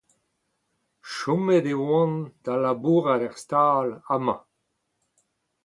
Chomet e oan da labourat er stal, amañ.